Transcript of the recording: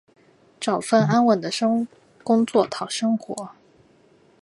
找份安稳的工作讨生活